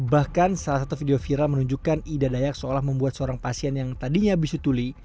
bahkan salah satu video viral menunjukkan ida dayak seolah membuat seorang pasien yang tadinya bisutuli